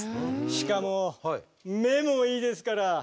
しかも目もいいですから。